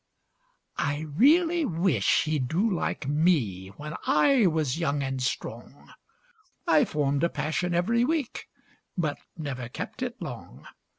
I really wish he'd do like me When I was young and strong; I formed a passion every week, But never kept it long.